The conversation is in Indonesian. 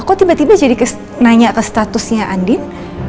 kok tiba tiba jadi nanya ke statusnya andin